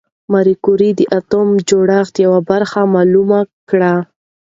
ماري کوري د اتومي جوړښت یوه برخه معلومه کړه.